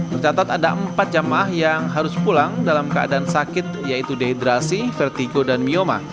tercatat ada empat jamaah yang harus pulang dalam keadaan sakit yaitu dehidrasi vertigo dan myoma